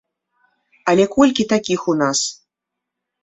Але колькі такіх у нас?